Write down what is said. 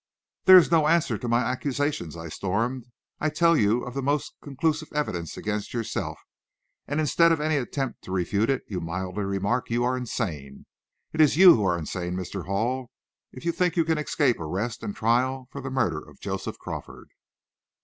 "That is no answer to my accusations," I stormed. "I tell you of the most conclusive evidence against yourself, and instead of any attempt to refute it you mildly remark, `you are insane.' It is you who are insane, Mr. Hall, if you think you can escape arrest and trial for the murder of Joseph Crawford."